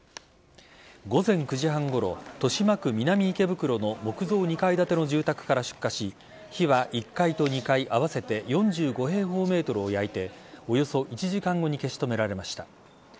午前９時半ごろ豊島区南池袋の木造２階建ての住宅から出火し火は１階と２階合わせて４５平方ｍを焼いておよそ１時間後に消し止められました。